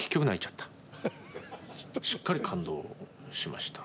しっかり感動しました。